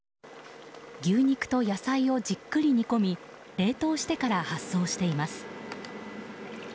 牛肉と野菜をじっくり煮込み冷凍してから発送しています。